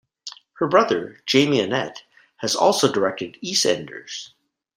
Her brother, Jamie Annett, has also directed "EastEnders".